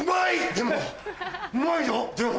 でもうまいよでも。